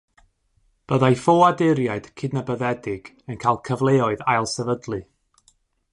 Byddai ffoaduriaid cydnabyddedig yn cael cyfleoedd ailsefydlu.